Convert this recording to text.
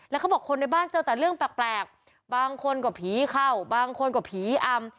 แล้วเขาบอกคนในบ้านเจอแต่เรื่องแปลกบางคนก็ผีเข้าบางคนก็ผีอำ